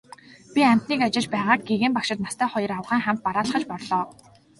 Би амьтныг ажиж байгааг гэгээн багшид настай хоёр авгайн хамт бараалхаж орлоо.